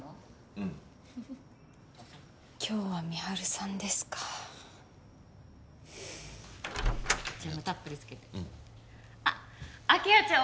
うん今日は美晴さんですかジャムたっぷりつけてうんあっ明葉ちゃん